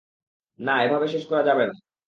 না, এভাবে শেষ করা যাবে না।